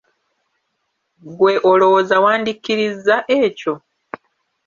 Ggwe olowooza wandikkirizza ekyo?